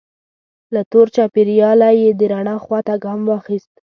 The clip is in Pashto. له تور چاپیریاله یې د رڼا خوا ته ګام واخیست.